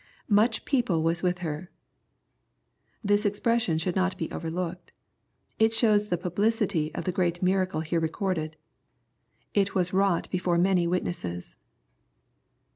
[Much people was with her!\ This expression should not be over looked. It shows the publicity of the great miracle here recorded. It was wrought before many witnesses.